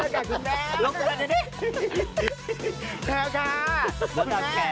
เค็มมากหยุดเย็นล้อนการเต๊ะก่อนเลย